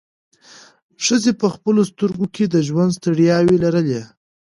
ښځې په خپلو سترګو کې د ژوند ستړیاوې لرلې.